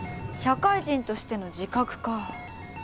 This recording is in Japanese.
社会人としての自覚か。